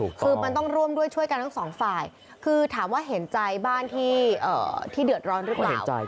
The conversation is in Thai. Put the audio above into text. คือมันต้องร่วมด้วยช่วยกันทั้งสองฝ่ายคือถามว่าเห็นใจบ้านที่เดือดร้อนหรือเปล่า